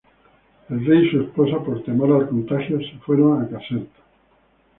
El rey y su esposa por temor al contagio se fueron a Caserta.